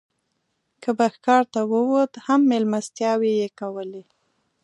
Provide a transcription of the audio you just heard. که به ښکار ته ووت هم مېلمستیاوې یې کولې.